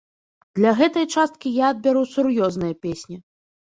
Для гэтай часткі я адбяру сур'ёзныя песні.